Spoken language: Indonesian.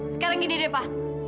sekarang gini deh pa